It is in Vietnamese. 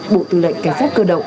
bộ tư lệnh cảnh sát cơ động